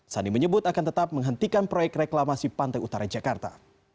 sandi menyebut akan tetap menghentikan proyek reklamasi pantai utara jakarta